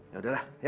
ya udahlah ya